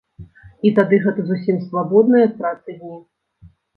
І тады гэта зусім свабодныя ад працы дні.